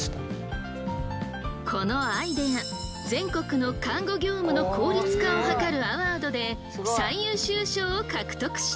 このアイデア全国の看護業務の効率化を図るアワードで最優秀賞を獲得している。